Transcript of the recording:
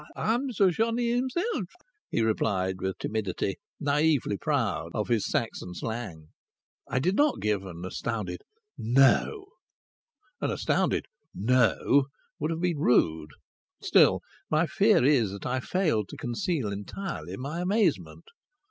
"I'm the johnny himself," he replied with timidity, naïvely proud of his Saxon slang. I did not give an astounded No! An astounded No! would have been rude. Still, my fear is that I failed to conceal entirely my amazement.